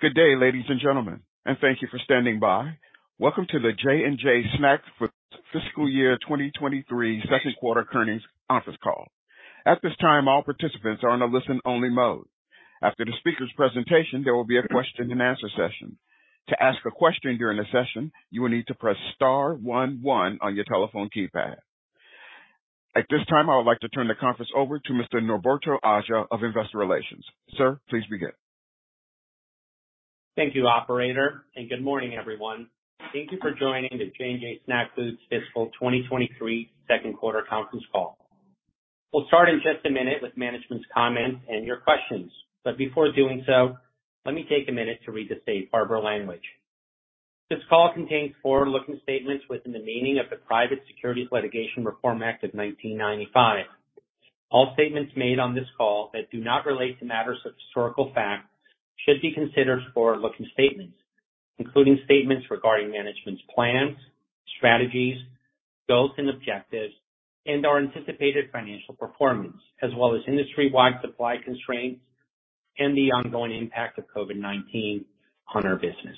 Good day, ladies and gentlemen, thank you for standing by. Welcome to the J&J Snack Foods fiscal year 2023 second quarter earnings office call. At this time, all participants are on a listen only mode. After the speaker's presentation, there will be a question and answer session. To ask a question during the session, you will need to press star one one on your telephone keypad. At this time, I would like to turn the conference over to Mr. Norberto Aja of Investor Relations. Sir, please begin. Thank you operator, and good morning everyone. Thank you for joining the J&J Snack Foods fiscal 2023 second quarter conference call. We'll start in just a minute with management's comments and your questions. Before doing so, let me take a minute to read the safe harbor language. This call contains forward-looking statements within the meaning of the Private Securities Litigation Reform Act of 1995. All statements made on this call that do not relate to matters of historical fact should be considered forward-looking statements, including statements regarding management's plans, strategies, goals and objectives, and our anticipated financial performance, as well as industry-wide supply constraints and the ongoing impact of COVID-19 on our business.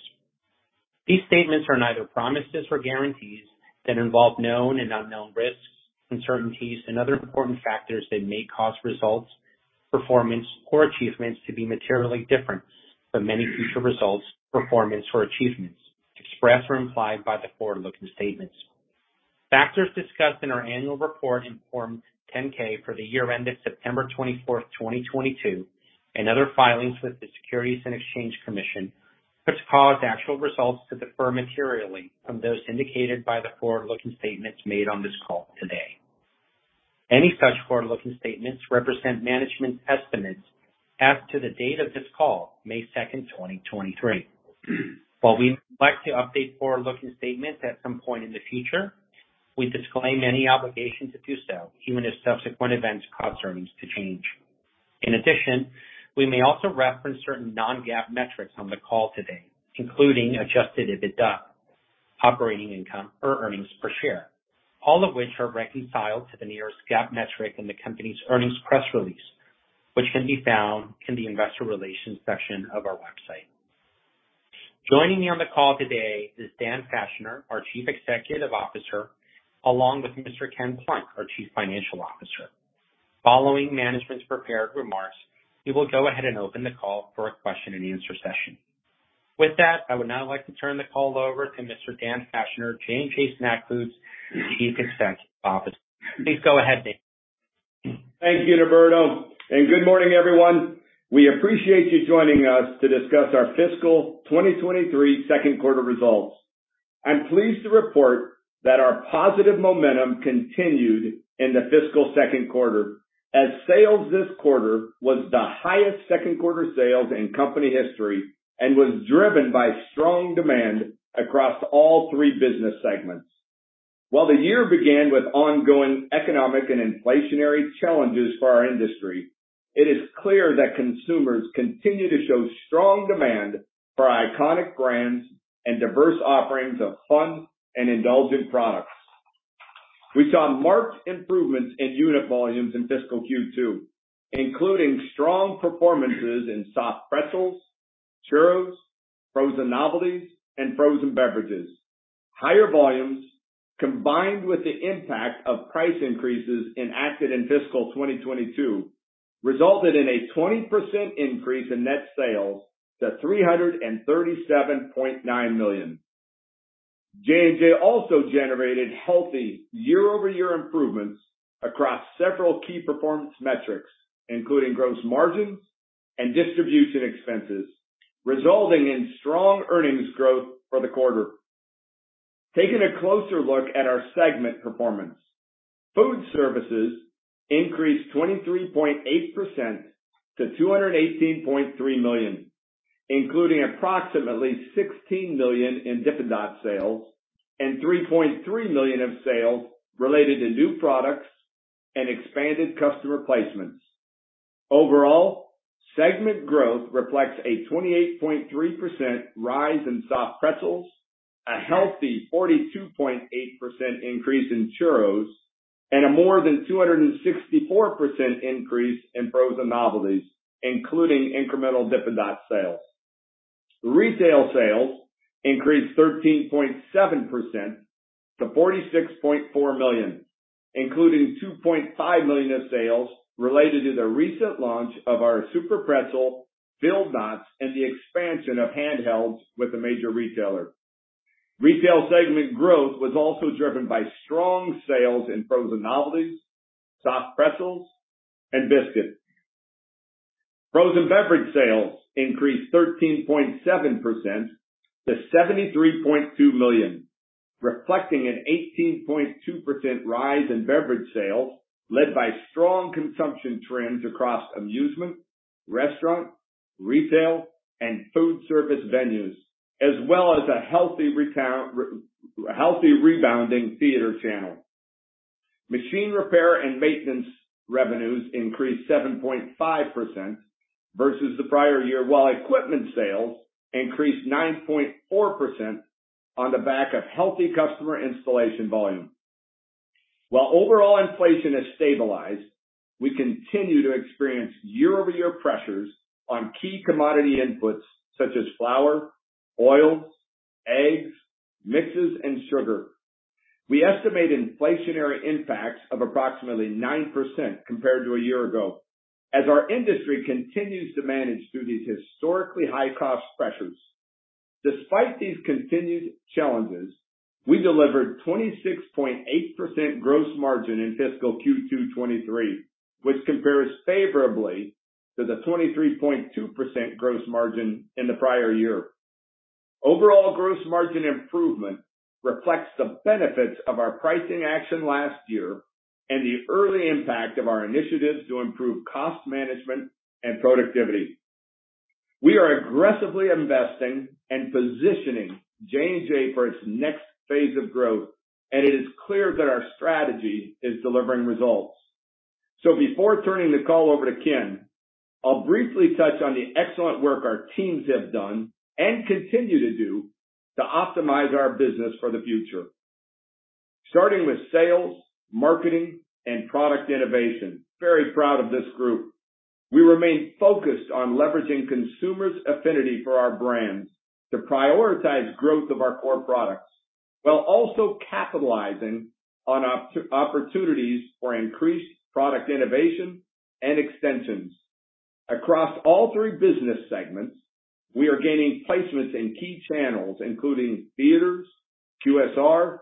These statements are neither promises or guarantees that involve known and unknown risks, uncertainties and other important factors that may cause results, performance or achievements to be materially different from any future results, performance or achievements expressed or implied by the forward-looking statements. Factors discussed in our annual report and Form 10-K for the year ended September 24, 2022, and other filings with the Securities and Exchange Commission could cause actual results to differ materially from those indicated by the forward-looking statements made on this call today. Any such forward-looking statements represent management's estimates as to the date of this call, May 2, 2023. While we would like to update forward-looking statements at some point in the future, we disclaim any obligation to do so, even if subsequent events cause earnings to change. In addition, we may also reference certain non-GAAP metrics on the call today, including adjusted EBITDA, operating income or earnings per share, all of which are reconciled to the nearest GAAP metric in the company's earnings press release, which can be found in the investor relations section of our website. Joining me on the call today is Dan Fachner, our Chief Executive Officer, along with Mr. Ken Plunk, our Chief Financial Officer. Following management's prepared remarks, we will go ahead and open the call for a question and answer session. With that, I would now like to turn the call over to Mr. Dan Fachner, J&J Snack Foods Chief Executive Officer. Please go ahead, Dan. Thank you Norberto. Good morning everyone. We appreciate you joining us to discuss our fiscal 2023 second quarter results. I'm pleased to report that our positive momentum continued in the fiscal second quarter, as sales this quarter was the highest second quarter sales in company history and was driven by strong demand across all three business segments. While the year began with ongoing economic and inflationary challenges for our industry, it is clear that consumers continue to show strong demand for our iconic brands and diverse offerings of fun and indulgent products. We saw marked improvements in unit volumes in fiscal Q2, including strong performances in soft pretzels, churros, frozen novelties, and frozen beverages. Higher volumes, combined with the impact of price increases enacted in fiscal 2022, resulted in a 20% increase in net sales to $337.9 million. J&J also generated healthy year-over-year improvements across several key performance metrics, including gross margins and distribution expenses, resulting in strong earnings growth for the quarter. Taking a closer look at our segment performance. Food services increased 23.8% to $218.3 million, including approximately $16 million in Dippin' Dots sales and $3.3 million of sales related to new products and expanded customer placements. Overall, segment growth reflects a 28.3% rise in soft pretzels, a healthy 42.8% increase in churros, and a more than 264% increase in frozen novelties, including incremental Dippin' Dots sales. Retail sales increased 13.7% to $46.4 million, including $2.5 million of sales related to the recent launch of our SUPERPRETZEL, Dippin' Dots, and the expansion of handhelds with a major retailer. Retail segment growth was also driven by strong sales in frozen novelties, soft pretzels and biscuits. Frozen beverage sales increased 13.7% to $73.2 million, reflecting an 18.2% rise in beverage sales led by strong consumption trends across amusement, restaurant, retail, and food service venues, as well as a healthy rebounding theater channel. Machine repair and maintenance revenues increased 7.5% versus the prior year, while equipment sales increased 9.4% on the back of healthy customer installation volume. While overall inflation has stabilized, we continue to experience year-over-year pressures on key commodity inputs such as flour, oil, eggs, mixes, and sugar. We estimate inflationary impacts of approximately 9% compared to a year ago as our industry continues to manage through these historically high cost pressures. Despite these continued challenges, we delivered 26.8% gross margin in fiscal Q2 2023, which compares favorably to the 23.2% gross margin in the prior year. Overall gross margin improvement reflects the benefits of our pricing action last year and the early impact of our initiatives to improve cost management and productivity. We are aggressively investing and positioning J&J for its next phase of growth, and it is clear that our strategy is delivering results. Before turning the call over to Ken, I'll briefly touch on the excellent work our teams have done and continue to do to optimize our business for the future. Starting with sales, marketing, and product innovation. Very proud of this group. We remain focused on leveraging consumers' affinity for our brands to prioritize growth of our core products while also capitalizing on opportunities for increased product innovation and extensions. Across all three business segments, we are gaining placements in key channels, including theaters, QSR,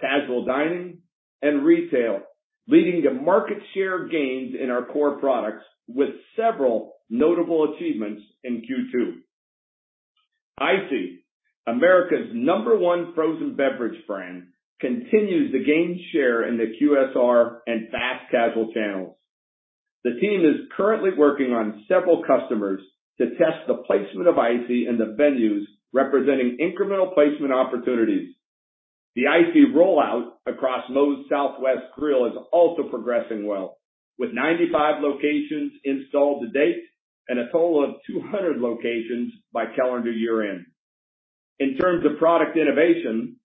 casual dining, and retail, leading to market share gains in our core products with several notable achievements in Q2. ICEE, America's #1 frozen beverage brand, continues to gain share in the QSR and fast casual channels. The team is currently working on several customers to test the placement of ICEE in the venues representing incremental placement opportunities. The ICEE rollout across Moe's Southwest Grill is also progressing well, with 95 locations installed to date and a total of 200 locations by calendar year end. In terms of product innovation,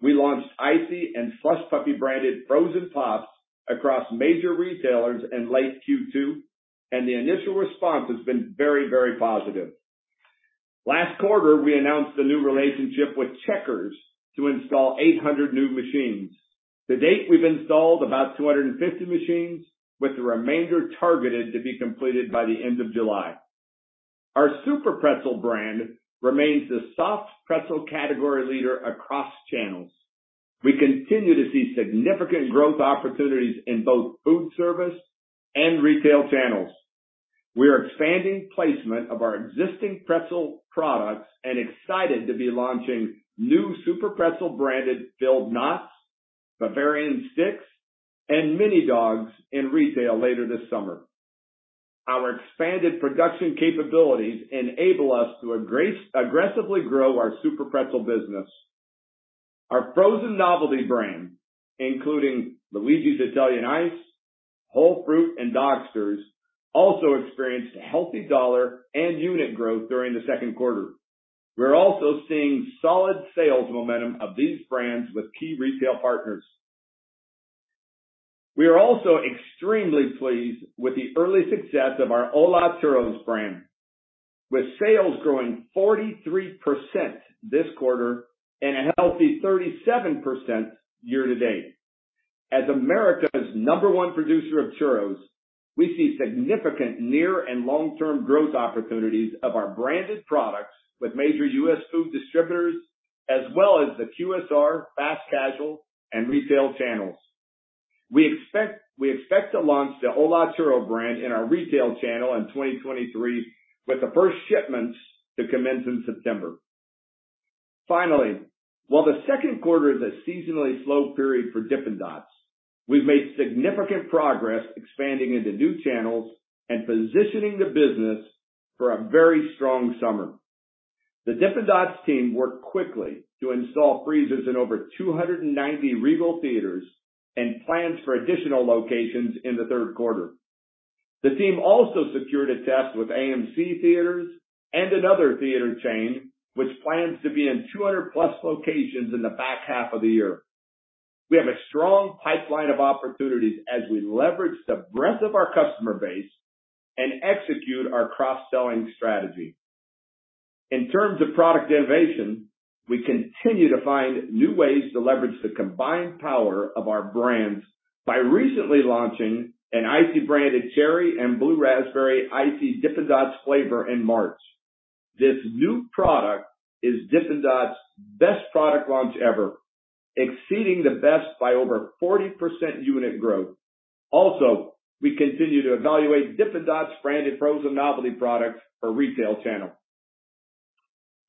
we launched ICEE and SLUSH PUPPiE branded frozen pops across major retailers in late Q2, the initial response has been very, very positive. Last quarter, we announced a new relationship with Checkers to install 800 new machines. To date, we've installed about 250 machines with the remainder targeted to be completed by the end of July. Our SUPERPRETZEL brand remains the soft pretzel category leader across channels. We continue to see significant growth opportunities in both food service and retail channels. We are expanding placement of our existing pretzel products and excited to be launching new SUPERPRETZEL branded Filled Knots, Bavarian Sticks, and Mini Dogs in retail later this summer. Our expanded production capabilities enable us to aggressively grow our SUPERPRETZEL business. Our frozen novelty brand, including Luigi's Italian Ice, Whole Fruit, and Dogsters, also experienced healthy dollar and unit growth during the second quarter. We're also seeing solid sales momentum of these brands with key retail partners. We are also extremely pleased with the early success of our ¡Hola! Churros brand, with sales growing 43% this quarter and a healthy 37% year to date. As America's number one producer of churros, we see significant near and long-term growth opportunities of our branded products with major U.S. food distributors as well as the QSR, fast casual, and retail channels. We expect to launch the ¡Hola! Churros brand in our retail channel in 2023, with the first shipments to commence in September. Finally, while the second quarter is a seasonally slow period for Dippin' Dots, we've made significant progress expanding into new channels and positioning the business for a very strong summer. The Dippin' Dots team worked quickly to install freezers in over 290 Regal Cinemas and plans for additional locations in the third quarter. The team also secured a test with AMC Theatres and another theater chain, which plans to be in 200+ locations in the back half of the year. We have a strong pipeline of opportunities as we leverage the breadth of our customer base and execute our cross-selling strategy. In terms of product innovation, we continue to find new ways to leverage the combined power of our brands by recently launching an ICEE branded cherry and blue raspberry ICEE Dippin' Dots flavor in March. This new product is Dippin' Dots best product launch ever, exceeding the best by over 40% unit growth. We continue to evaluate Dippin' Dots branded frozen novelty products for retail channel.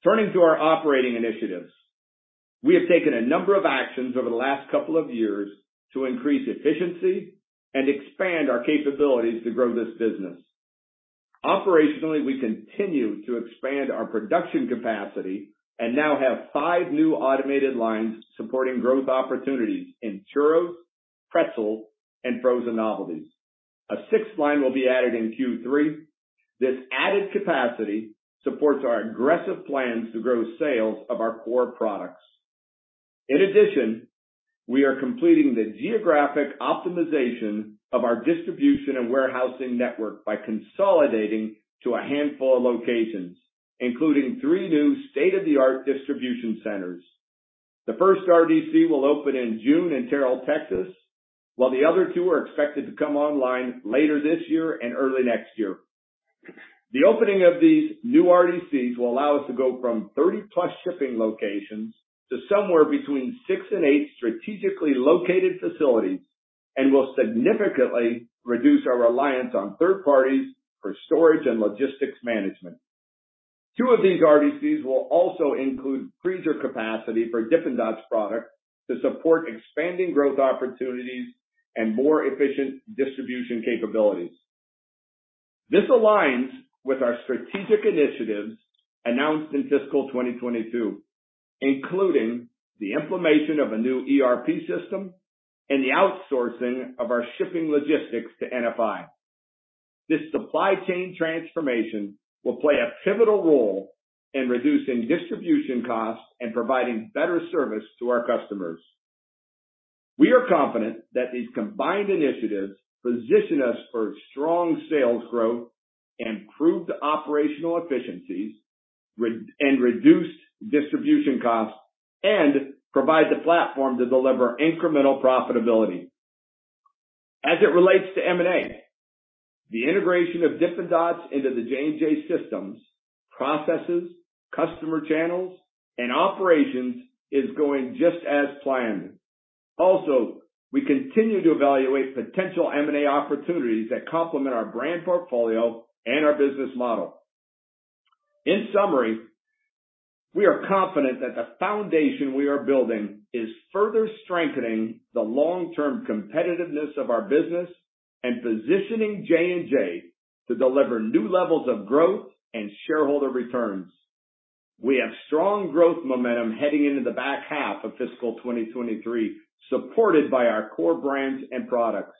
Turning to our operating initiatives. We have taken a number of actions over the last couple of years to increase efficiency and expand our capabilities to grow this business. Operationally, we continue to expand our production capacity and now have FIVE new automated lines supporting growth opportunities in churros, pretzels, and frozen novelties. A sixth line will be added in Q3. This added capacity supports our aggressive plans to grow sales of our core products. In addition, we are completing the geographic optimization of our distribution and warehousing network by consolidating to a handful of locations, including three new state-of-the-art distribution centers. The first RDC will open in June in Terrell, Texas, while the other two are expected to come online later this year and early next year. The opening of these new RDCs will allow us to go from 30+ shipping locations to somewhere between six and eight strategically located facilities, and will significantly reduce our reliance on third parties for storage and logistics management. Two of these RDCs will also include freezer capacity for Dippin' Dots products to support expanding growth opportunities and more efficient distribution capabilities. This aligns with our strategic initiatives announced in fiscal 2022, including the implementation of a new ERP system and the outsourcing of our shipping logistics to NFI. This supply chain transformation will play a pivotal role in reducing distribution costs and providing better service to our customers. We are confident that these combined initiatives position us for strong sales growth, improved operational efficiencies, and reduced distribution costs, and provide the platform to deliver incremental profitability. As it relates to M&A, the integration of Dippin' Dots into the J&J systems, processes, customer channels, and operations is going just as planned. We continue to evaluate potential M&A opportunities that complement our brand portfolio and our business model. In summary, we are confident that the foundation we are building is further strengthening the long-term competitiveness of our business and positioning J&J to deliver new levels of growth and shareholder returns. We have strong growth momentum heading into the back half of fiscal 2023, supported by our core brands and products.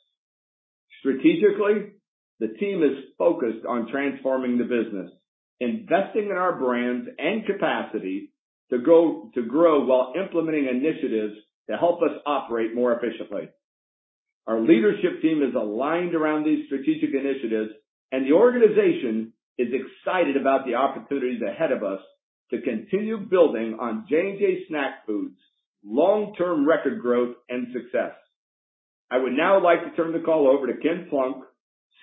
Strategically, the team is focused on transforming the business, investing in our brands and capacity to grow while implementing initiatives to help us operate more efficiently. Our leadership team is aligned around these strategic initiatives. The organization is excited about the opportunities ahead of us to continue building on J&J Snack Foods' long-term record growth and success. I would now like to turn the call over to Ken Plunk,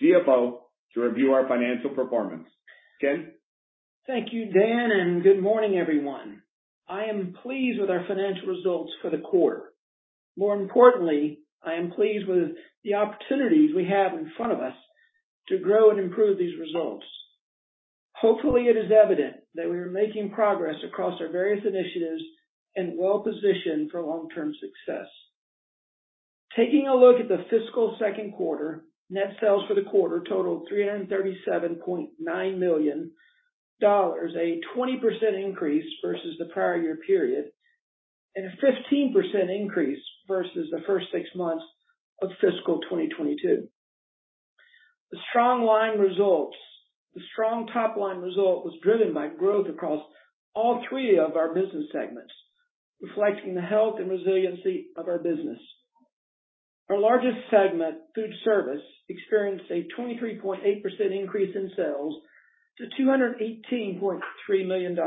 CFO, to review our financial performance. Ken. Thank you, Dan. Good morning, everyone. I am pleased with our financial results for the quarter. More importantly, I am pleased with the opportunities we have in front of us to grow and improve these results. Hopefully, it is evident that we are making progress across our various initiatives and well-positioned for long-term success. Taking a look at the fiscal second quarter, net sales for the quarter totaled $337.9 million, a 20% increase versus the prior year period and a 15% increase versus the first six months of fiscal 2022. The strong top-line result was driven by growth across all three of our business segments, reflecting the health and resiliency of our business. Our largest segment, food service, experienced a 23.8% increase in sales to $218.3 million,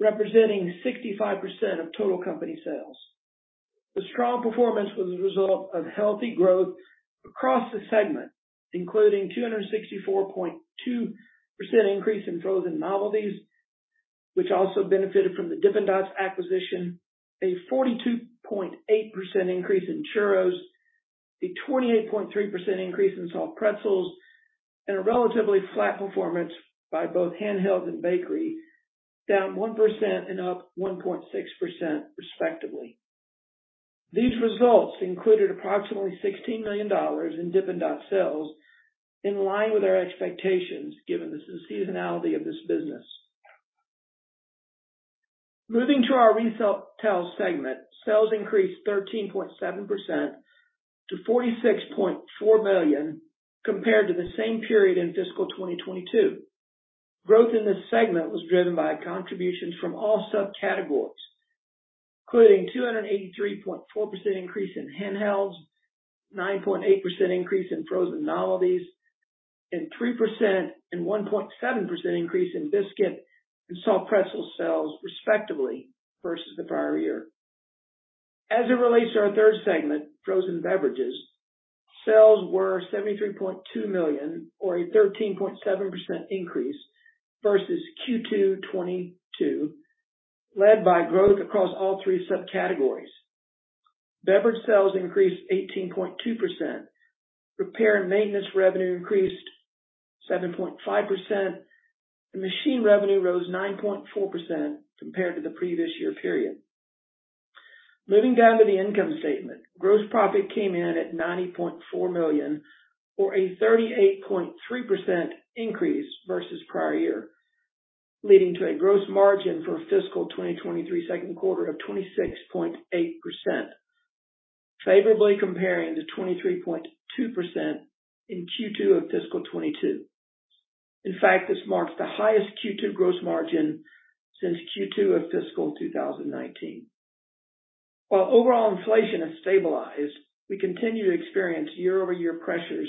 representing 65% of total company sales. The strong performance was a result of healthy growth across the segment, including 264.2% increase in frozen novelties, which also benefited from the Dippin' Dots acquisition, a 42.8% increase in churros, a 28.3% increase in soft pretzels, and a relatively flat performance by both handheld and bakery, down 1% and up 1.6% respectively. These results included approximately $16 million in Dippin' Dots sales, in line with our expectations given the seasonality of this business. Moving to our retail segment, sales increased 13.7% to $46.4 million compared to the same period in fiscal 2022. Growth in this segment was driven by contributions from all subcategories, including 283.4% increase in handhelds, 9.8% increase in frozen novelties, 3% and 1.7% increase in biscuit and soft pretzel sales, respectively, versus the prior year. As it relates to our third segment, frozen beverages, sales were $73.2 million or a 13.7% increase versus Q2 2022, led by growth across all three subcategories. Beverage sales increased 18.2%. Repair and maintenance revenue increased 7.5%. Machine revenue rose 9.4% compared to the previous year period. Moving down to the income statement. Gross profit came in at $90.4 million or a 38.3% increase versus prior year, leading to a gross margin for fiscal 2023 2Q of 26.8%. Favorably comparing to 23.2% in Q2 of fiscal 2022. This marks the highest Q2 gross margin since Q2 of fiscal 2019. While overall inflation has stabilized, we continue to experience year-over-year pressures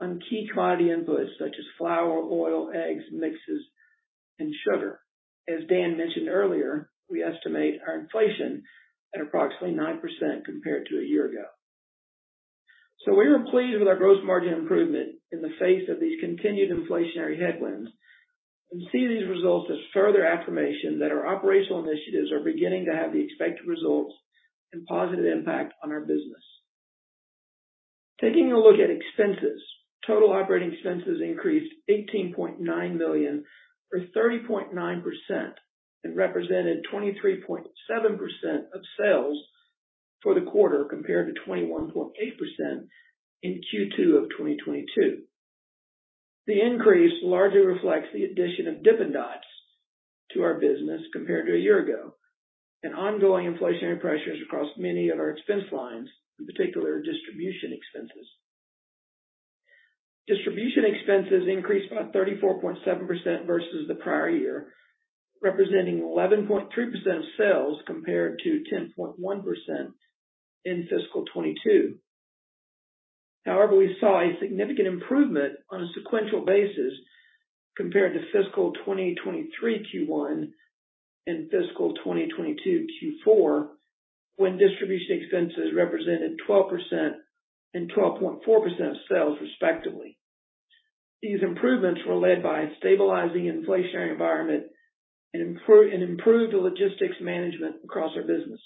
on key commodity inputs such as flour, oil, eggs, mixes, and sugar. As Dan mentioned earlier, we estimate our inflation at approximately 9% compared to a year ago. We were pleased with our gross margin improvement in the face of these continued inflationary headwinds and see these results as further affirmation that our operational initiatives are beginning to have the expected results and positive impact on our business. Taking a look at expenses. Total operating expenses increased $18.9 million, or 30.9%, and represented 23.7% of sales for the quarter, compared to 21.8% in Q2 of 2022. The increase largely reflects the addition of Dippin' Dots to our business compared to a year ago and ongoing inflationary pressures across many of our expense lines, in particular, distribution expenses. Distribution expenses increased by 34.7% versus the prior year, representing 11.3% of sales, compared to 10.1% in fiscal 2022. However, we saw a significant improvement on a sequential basis compared to fiscal 2023 Q1 and fiscal 2022 Q4, when distribution expenses represented 12% and 12.4% of sales, respectively. These improvements were led by a stabilizing inflationary environment and improved logistics management across our business.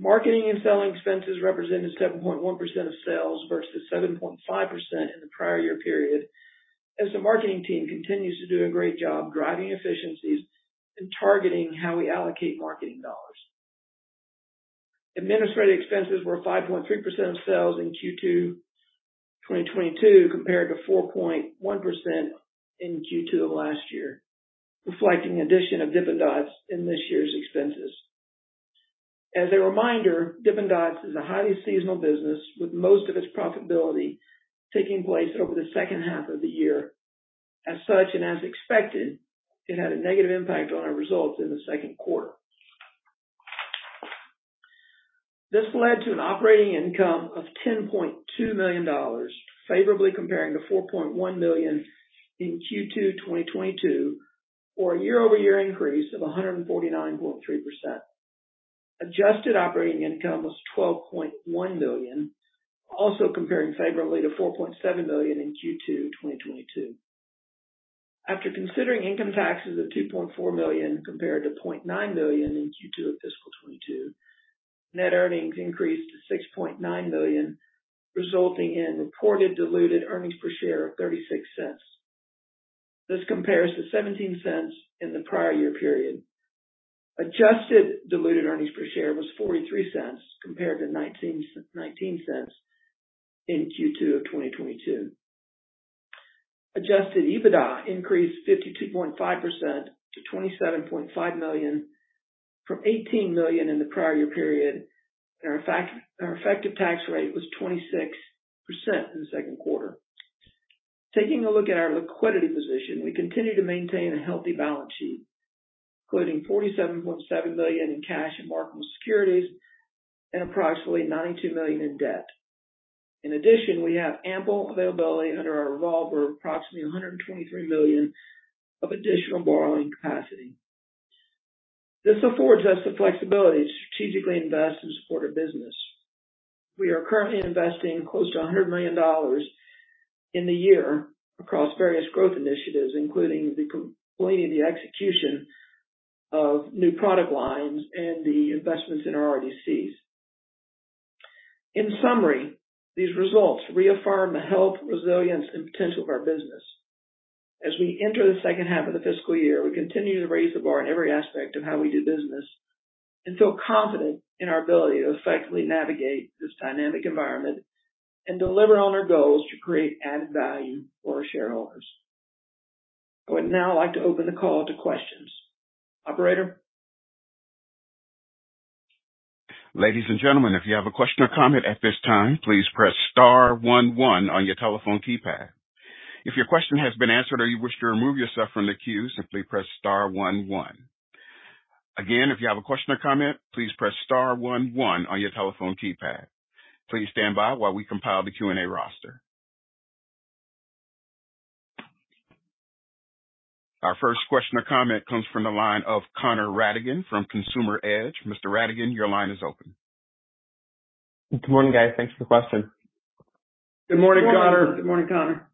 Marketing and selling expenses represented 7.1% of sales versus 7.5% in the prior year period, as the marketing team continues to do a great job driving efficiencies and targeting how we allocate marketing dollars. Administrative expenses were 5.3% of sales in Q2 2022, compared to 4.1% in Q2 of last year, reflecting addition of Dippin' Dots in this year's expenses. As a reminder, Dippin' Dots is a highly seasonal business with most of its profitability taking place over the second half of the year. As such, and as expected, it had a negative impact on our results in the second quarter. This led to an operating income of $10.2 million, favorably comparing to $4.1 million in Q2 2022, or a year-over-year increase of 149.3%. Adjusted operating income was $12.1 million, also comparing favorably to $4.7 million in Q2 2022. After considering income taxes of $2.4 million compared to $0.9 million in Q2 of fiscal 2022, net earnings increased to $6.9 million, resulting in reported diluted earnings per share of $0.36. This compares to $0.17 in the prior year period. Adjusted diluted earnings per share was $0.43, compared to $0.19 in Q2 of 2022. Adjusted EBITDA increased 52.5% to $27.5 million from $18 million in the prior year period, our effective tax rate was 26% in the second quarter. Taking a look at our liquidity position, we continue to maintain a healthy balance sheet, including $47.7 million in cash and marketable securities and approximately $92 million in debt. We have ample availability under our revolver of approximately $123 million of additional borrowing capacity. This affords us the flexibility to strategically invest and support our business. We are currently investing close to $100 million in the year across various growth initiatives, including the completing the execution of new product lines and the investments in our RDCs. These results reaffirm the health, resilience, and potential of our business. As we enter the second half of the fiscal year, we continue to raise the bar in every aspect of how we do business and feel confident in our ability to effectively navigate this dynamic environment and deliver on our goals to create added value for our shareholders. I would now like to open the call to questions. Operator? Ladies and gentlemen, if you have a question or comment at this time, please press star one one on your telephone keypad. If your question has been answered or you wish to remove yourself from the queue, simply press star one one. If you have a question or comment, please press star one one on your telephone keypad. Please stand by while we compile the Q&A roster. Our first question or comment comes from the line of Connor Rattigan from Consumer Edge. Mr. Rattigan, your line is open. Good morning, guys. Thanks for the question. Good morning, Connor. Good morning, Connor.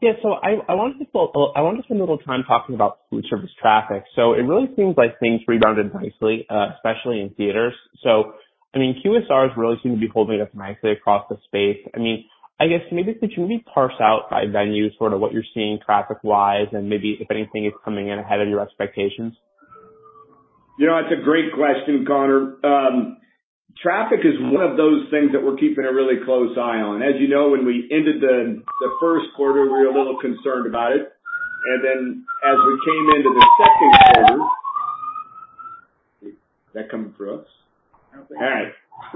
Yeah. I wanted to spend a little time talking about food service traffic. It really seems like things rebounded nicely, especially in theaters. I mean, QSRs really seem to be holding up nicely across the space. I mean, I guess maybe could you maybe parse out by venue sort of what you're seeing traffic wise and maybe if anything is coming in ahead of your expectations? You know, that's a great question, Connor. Traffic is one of those things that we're keeping a really close eye on. As you know, when we ended the first quarter, we were a little concerned about it. As we came into the second. Is that coming through us? I don't think so. All right.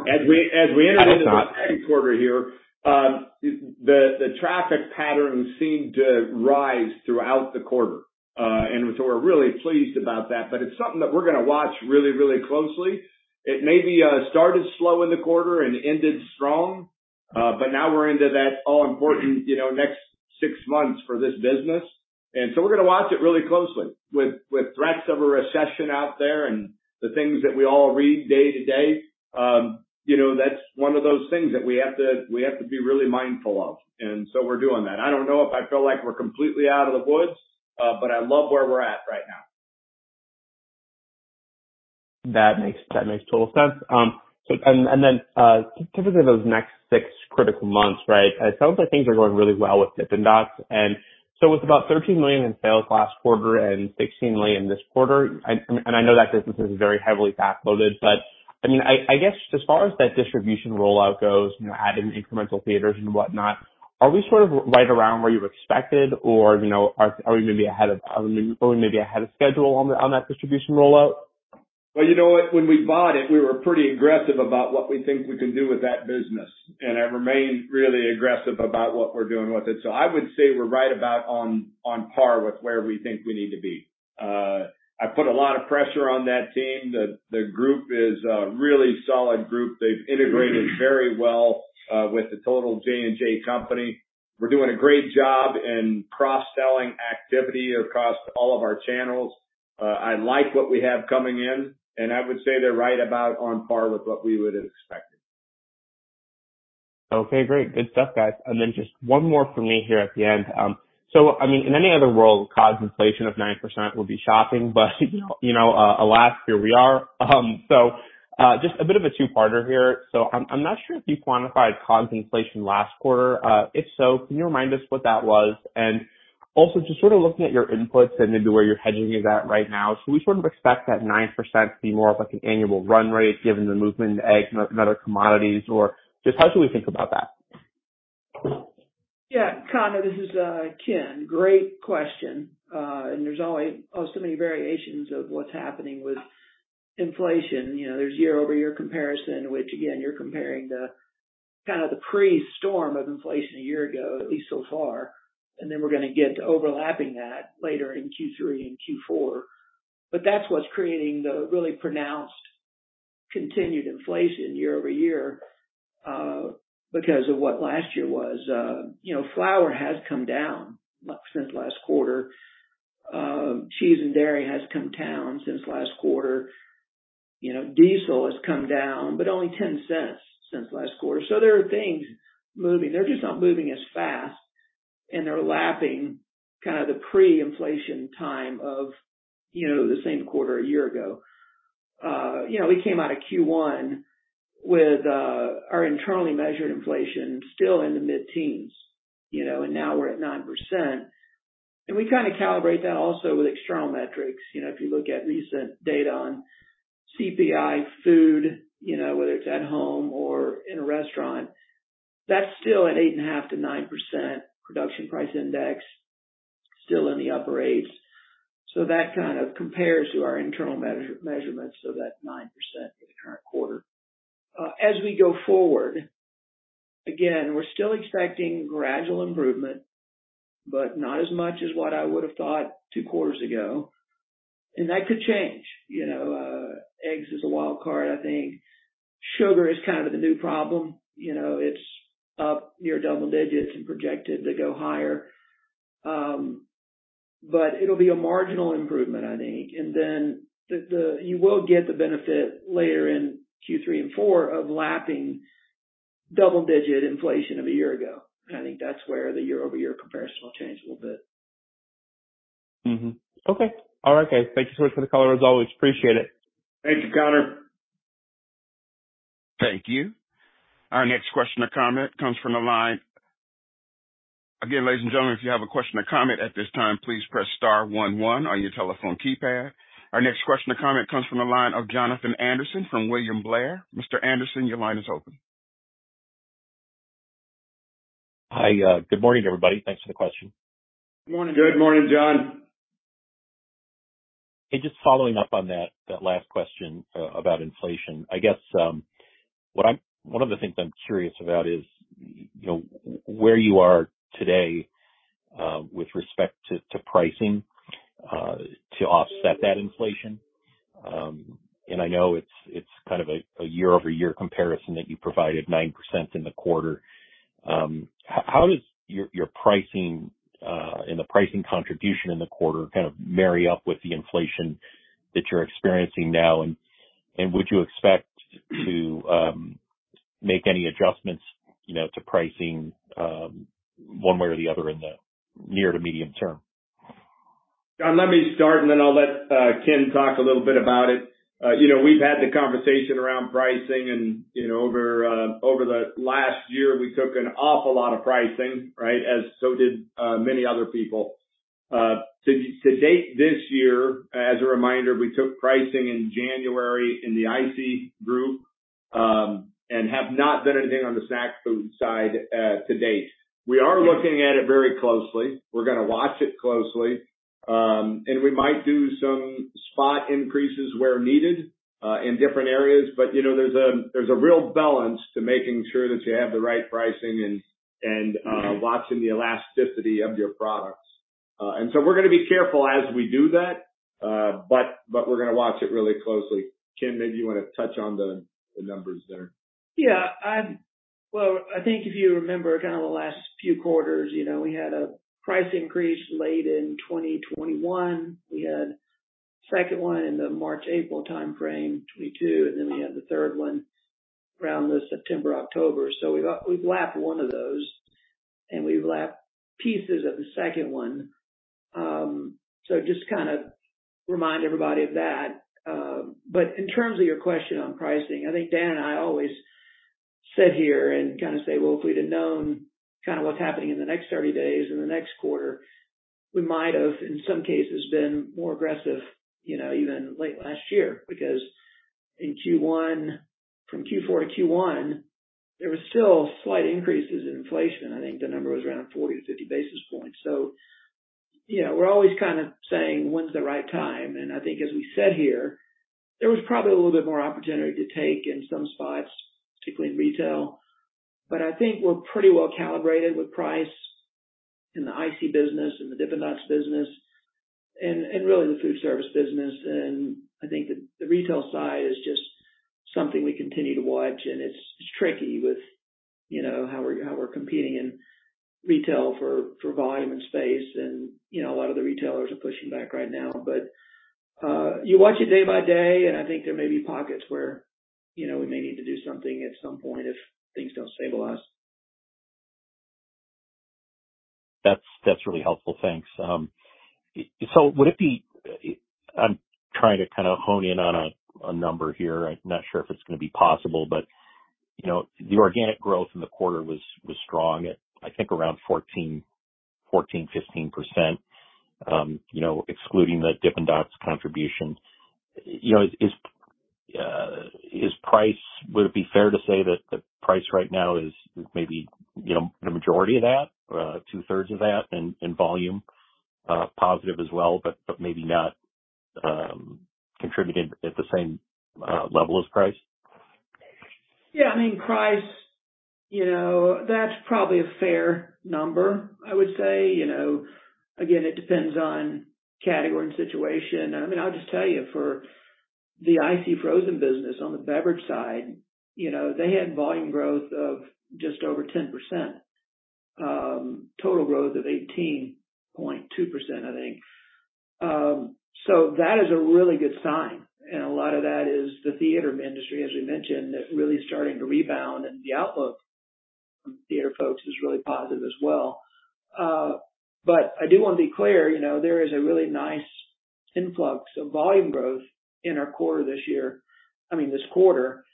As we. At the top. -the second quarter here, the traffic patterns seem to rise throughout the quarter. We're really pleased about that, but it's something that we're gonna watch really, really closely. It maybe started slow in the quarter and ended strong, but now we're into that all important, you know, next six months for this business. We're gonna watch it really closely. With threats of a recession out there and the things that we all read day to day, you know, that's one of those things that we have to, we have to be really mindful of, and so we're doing that. I don't know if I feel like we're completely out of the woods, but I love where we're at right now. That makes total sense. Then, typically those next six critical months, right? It sounds like things are going really well with Dippin' Dots. With about $13 million in sales last quarter and $16 million this quarter, and I know that business is very heavily backloaded, but I mean, I guess just as far as that distribution rollout goes, you know, adding incremental theaters and whatnot, are we sort of right around where you expected or, you know, are we maybe ahead of schedule on that distribution rollout? You know what, when we bought it, we were pretty aggressive about what we think we can do with that business, and I remain really aggressive about what we're doing with it. I would say we're right about on par with where we think we need to be. I put a lot of pressure on that team. The group is a really solid group. They've integrated very well with the total J&J company. We're doing a great job in cross-selling activity across all of our channels. I like what we have coming in, and I would say they're right about on par with what we would have expected. Okay, great. Good stuff, guys. Just one more from me here at the end. I mean, in any other world, COGS inflation of 9% would be shocking, but you know, you know, alas, here we are. Just a bit of a 2-parter here. I'm not sure if you quantified COGS inflation last quarter. If so, can you remind us what that was? Also just sort of looking at your inputs and maybe where your hedging is at right now, should we sort of expect that 9% to be more of like an annual run rate given the movement in eggs and other commodities, or just how should we think about that? Yeah, Connor, this is Ken. Great question. There's always so many variations of what's happening with inflation. You know, there's year-over-year comparison, which again, you're comparing the kind of the pre-storm of inflation a year ago, at least so far. We're gonna get to overlapping that later in Q3 and Q4. That's what's creating the really pronounced continued inflation year-over-year, because of what last year was. You know, flour has come down since last quarter. Cheese and dairy has come down since last quarter. You know, diesel has come down, but only $0.10 since last quarter. There are things moving. They're just not moving as fast, and they're lapping kind of the pre-inflation time of, you know, the same quarter a year ago. You know, we came out of Q1 with our internally measured inflation still in the mid-teens, you know, and now we're at 9%. We kind of calibrate that also with external metrics. You know, if you look at recent data on CPI food, you know, whether it's at home or in a restaurant, that's still at 8.5%-9%. Producer Price Index, still in the upper eights. That kind of compares to our internal measurements of that 9% in the current quarter. As we go forward, again, we're still expecting gradual improvement, but not as much as what I would have thought two quarters ago. That could change. You know, eggs is a wild card, I think. Sugar is kind of the new problem. You know, it's up near double digits and projected to go higher. It'll be a marginal improvement, I think. You will get the benefit later in Q3 and Q4 of lapping double-digit inflation of a year ago. I think that's where the year-over-year comparison will change a little bit. Okay. All right, guys. Thank you so much for the color as always. Appreciate it. Thank you, Connor. Thank you. Our next question or comment comes from the line... Again, ladies and gentlemen, if you have a question or comment at this time, please press star one one on your telephone keypad. Our next question or comment comes from the line of Jon Andersen from William Blair. Mr. Andersen, your line is open. Hi. Good morning, everybody. Thanks for the question. Good morning. Good morning, Jon. Hey, just following up on that last question about inflation. I guess, one of the things I'm curious about is, you know, where you are today with respect to pricing to offset that inflation. I know it's kind of a year-over-year comparison that you provided 9% in the quarter. How does your pricing and the pricing contribution in the quarter kind of marry up with the inflation that you're experiencing now? Would you expect to make any adjustments, you know, to pricing one way or the other in the near to medium term? Jon, let me start, and then I'll let Ken talk a little bit about it. You know, we've had the conversation around pricing and, you know, over the last year, we took an awful lot of pricing, right? As so did many other people. To date this year, as a reminder, we took pricing in January in the ICEE group. Have not done anything on the snack food side to date. We are looking at it very closely. We're gonna watch it closely. We might do some spot increases where needed in different areas. You know, there's a real balance to making sure that you have the right pricing and watching the elasticity of your products. We're gonna be careful as we do that, but we're gonna watch it really closely. Ken, maybe you wanna touch on the numbers there. Yeah. Well, I think if you remember kind of the last few quarters, you know, we had a price increase late in 2021. We had second one in the March, April timeframe, 2022, and then we had the third one around the September, October. We've lapped one of those, and we've lapped pieces of the second one. Just to kind of remind everybody of that. In terms of your question on pricing, I think Dan and I always sit here and kinda say, "Well, if we'd have known kinda what's happening in the next 30 days, in the next quarter, we might have, in some cases, been more aggressive, you know, even late last year." From Q4 to Q1, there was still slight increases in inflation. I think the number was around 40-50 basis points. You know, we're always kind of saying, "When's the right time?" I think as we sit here, there was probably a little bit more opportunity to take in some spots, particularly in retail. I think we're pretty well calibrated with price in the ICEE business and the Dippin' Dots business and really the food service business. I think the retail side is just something we continue to watch, and it's tricky with, you know, how we're, how we're competing in retail for volume and space. You know, a lot of the retailers are pushing back right now. You watch it day by day, and I think there may be pockets where, you know, we may need to do something at some point if things don't stabilize. That's really helpful. Thanks. Would it be... I'm trying to kinda hone in on a number here. I'm not sure if it's gonna be possible, but, you know, the organic growth in the quarter was strong at, I think, around 14%-15%, you know, excluding the Dippin' Dots contribution. You know, would it be fair to say that the price right now is maybe, you know, the majority of that or two-thirds of that and volume positive as well, but maybe not contributed at the same level as price? Yeah. I mean, price, you know, that's probably a fair number, I would say. You know, again, it depends on category and situation. I mean, I'll just tell you, for the ICEE frozen business on the beverage side, you know, they had volume growth of just over 10%. Total growth of 18.2%, I think. That is a really good sign, and a lot of that is the theater industry, as we mentioned, that really is starting to rebound, and the outlook from theater folks is really positive as well. I do wanna be clear, you know, there is a really nice influx of volume growth in our quarter this quarter,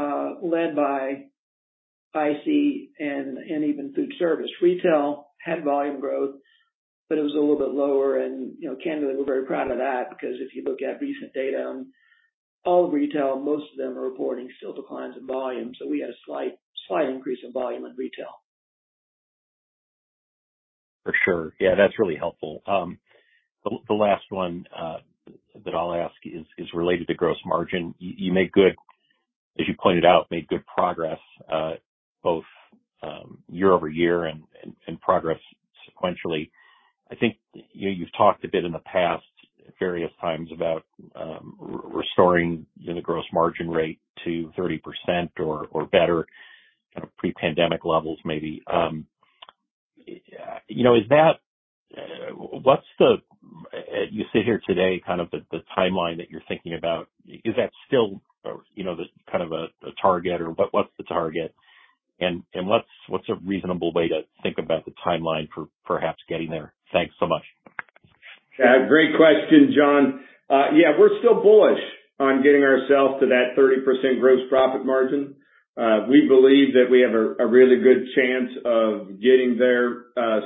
led by ICEE and even food service. Retail had volume growth, but it was a little bit lower. You know, candidly, we're very proud of that because if you look at recent data on all of retail, most of them are reporting still declines in volume. We had a slight increase in volume in retail. For sure. Yeah, that's really helpful. The last one that I'll ask is related to gross margin. You, as you pointed out, made good progress, both year-over-year and progress sequentially. I think, you know, you've talked a bit in the past various times about restoring the gross margin rate to 30% or better, kind of pre-pandemic levels maybe. You know, what's the, as you sit here today, kind of the timeline that you're thinking about? Is that still, or, you know, kind of a target or what's the target? What's a reasonable way to think about the timeline for perhaps getting there? Thanks so much. Yeah. Great question, Jon. We're still bullish on getting ourselves to that 30% gross profit margin. We believe that we have a really good chance of getting there,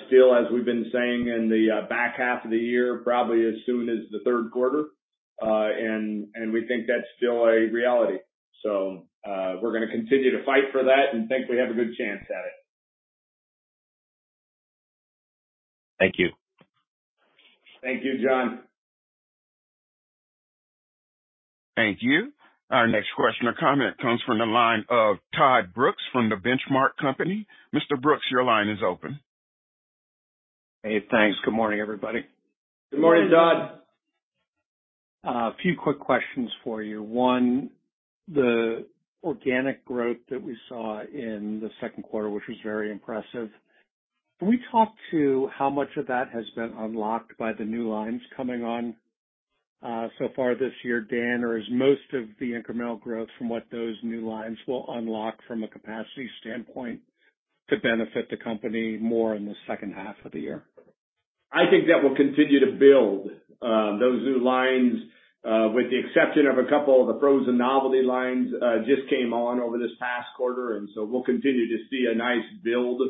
still, as we've been saying, in the back half of the year, probably as soon as the third quarter. We think that's still a reality. We're gonna continue to fight for that and think we have a good chance at it. Thank you. Thank you, Jon. Thank you. Our next question or comment comes from the line of Todd Brooks from The Benchmark Company. Mr. Brooks, your line is open. Hey, thanks. Good morning, everybody. Good morning, Todd. A few quick questions for you. One, the organic growth that we saw in the second quarter, which was very impressive, can we talk to how much of that has been unlocked by the new lines coming on, so far this year, Dan? Or is most of the incremental growth from what those new lines will unlock from a capacity standpoint to benefit the company more in the second half of the year? I think that will continue to build. Those new lines, with the exception of a couple of the frozen novelty lines, just came on over this past quarter, and so we'll continue to see a nice build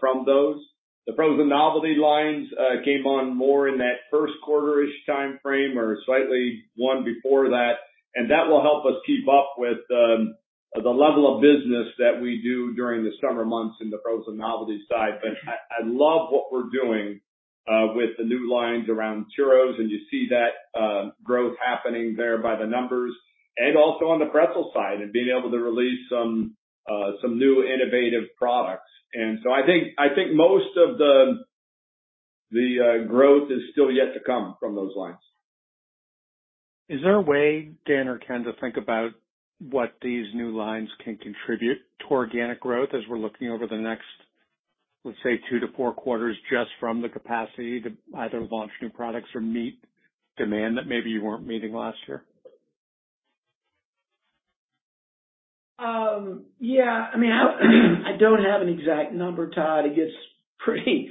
from those. The frozen novelty lines came on more in that first quarter-ish timeframe or slightly one before that. That will help us keep up with the level of business that we do during the summer months in the frozen novelty side. I love what we're doing with the new lines around churros, and you see that growth happening there by the numbers and also on the pretzel side and being able to release some new innovative products. I think, I think most of the growth is still yet to come from those lines. Is there a way, Dan or Ken, to think about what these new lines can contribute to organic growth as we're looking over the next, let's say, two to four quarters, just from the capacity to either launch new products or meet demand that maybe you weren't meeting last year? Yeah. I mean, I don't have an exact number, Todd. It gets pretty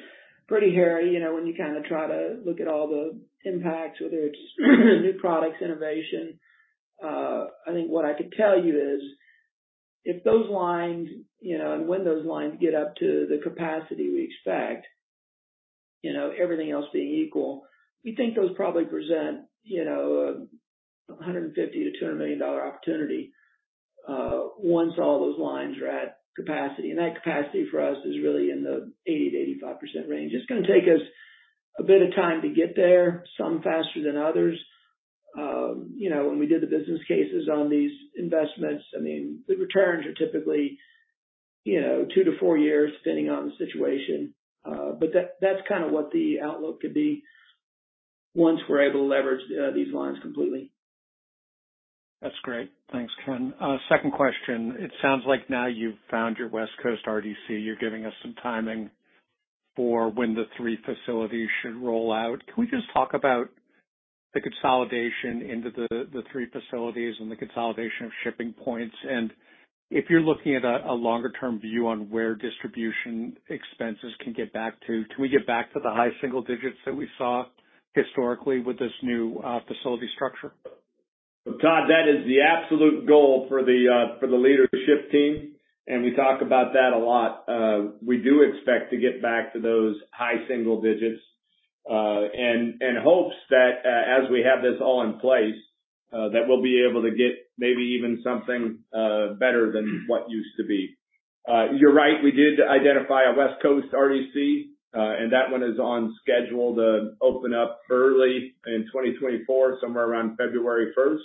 hairy, you know, when you kinda try to look at all the impacts, whether it's new products, innovation. I think what I could tell you is if those lines, you know, and when those lines get up to the capacity we expect, you know, everything else being equal, we think those probably present, you know, a $150 million-$200 million opportunity, once all those lines are at capacity. And that capacity for us is really in the 80%-85% range. It's gonna take us a bit of time to get there, some faster than others. You know, when we did the business cases on these investments, I mean, the returns are typically, you know, two to four years, depending on the situation. That's kinda what the outlook could be once we're able to leverage these lines completely. That's great. Thanks, Ken. Second question. It sounds like now you've found your West Coast RDC. You're giving us some timing for when the three facilities should roll out. Can we just talk about the consolidation into the three facilities and the consolidation of shipping points? If you're looking at a longer term view on where distribution expenses can get back to, can we get back to the high single digits that we saw historically with this new facility structure? Todd, that is the absolute goal for the leadership team, and we talk about that a lot. We do expect to get back to those high single digits, and hopes that as we have this all in place, that we'll be able to get maybe even something better than what used to be. You're right, we did identify a West Coast RDC, and that one is on schedule to open up early in 2024, somewhere around February 1st.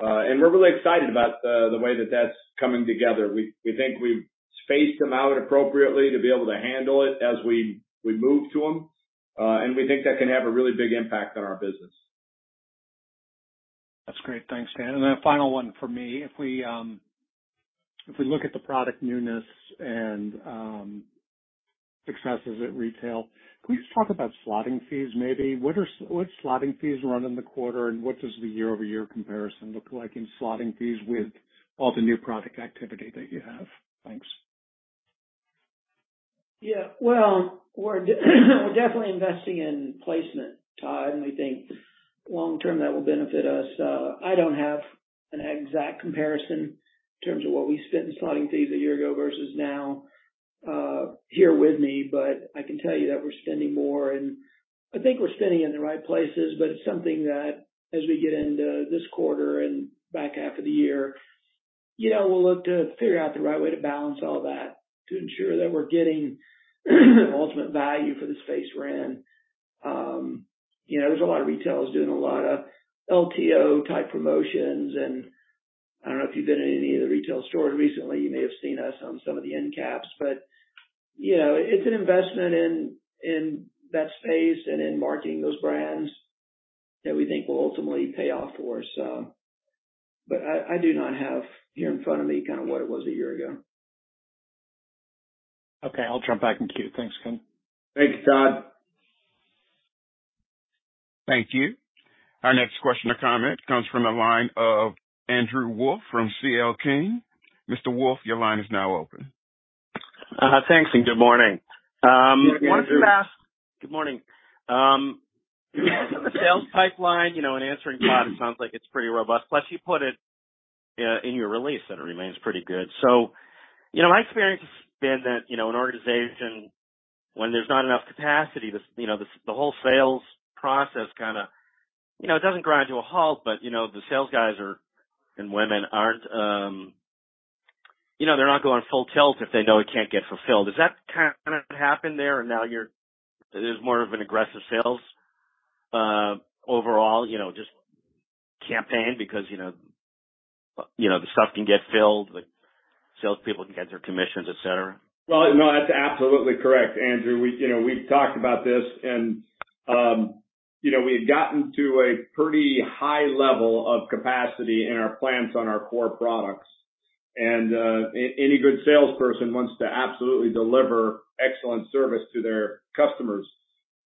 We're really excited about the way that that's coming together. We think we've spaced them out appropriately to be able to handle it as we move to them. We think that can have a really big impact on our business. That's great. Thanks, Dan. Then a final one from me. If we, if we look at the product newness and successes at retail, can we just talk about slotting fees maybe? What slotting fees run in the quarter, and what does the year-over-year comparison look like in slotting fees with all the new product activity that you have? Thanks. Yeah. Well, we're definitely investing in placement, Todd, we think long term that will benefit us. I don't have an exact comparison in terms of what we spent in slotting fees a year ago versus now, here with me, I can tell you that we're spending more and I think we're spending in the right places. It's something that as we get into this quarter and back half of the year, you know, we'll look to figure out the right way to balance all that to ensure that we're getting ultimate value for the space we're in. You know, there's a lot of retailers doing a lot of LTO type promotions, I don't know if you've been in any of the retail stores recently, you may have seen us on some of the end caps. You know, it's an investment in that space and in marketing those brands that we think will ultimately pay off for us. I do not have here in front of me kinda what it was a year ago. Okay. I'll jump back in queue. Thanks, Ken. Thanks, Todd. Thank you. Our next question or comment comes from the line of Andrew Wolf from C.L. King. Mr. Wolf, your line is now open. Thanks, and good morning. Good morning, Andrew. Good morning. Good morning. The sales pipeline, you know, in answering Todd, it sounds like it's pretty robust, plus you put it in your release that it remains pretty good. My experience has been that, you know, an organization when there's not enough capacity, the whole sales process kinda, you know, it doesn't grind to a halt, but, you know, the sales guys are, and women aren't, you know, they're not going full tilt if they know it can't get fulfilled. Has that kinda happened there and now it is more of an aggressive sales overall, you know, just campaign because, you know, you know, the stuff can get filled, like salespeople can get their commissions, et cetera? Well, no, that's absolutely correct, Andrew Wolf. We, you know, we've talked about this and, you know, we had gotten to a pretty high level of capacity in our plants on our core products. Any good salesperson wants to absolutely deliver excellent service to their customers.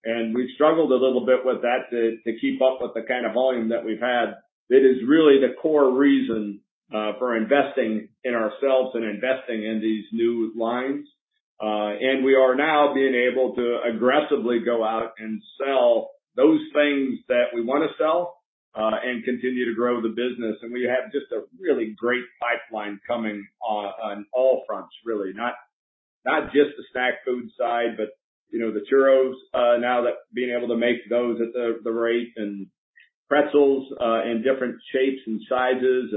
We've struggled a little bit with that to keep up with the kind of volume that we've had. That is really the core reason for investing in ourselves and investing in these new lines. We are now being able to aggressively go out and sell those things that we wanna sell. Continue to grow the business. We have just a really great pipeline coming on all fronts really. Not just the snack food side, but, you know, the churros, now that being able to make those at the rate, and pretzels, in different shapes and sizes